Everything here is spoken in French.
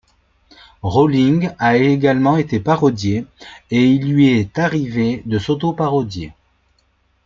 Rowling a également été parodiée, et il lui est arrivé de s'auto-parodier.